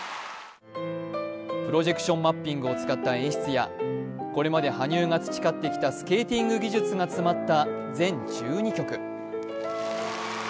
プロジェクションマッピングを使った演出やこれまで羽生が培ってきたスケーティング技術が詰まった全１２曲。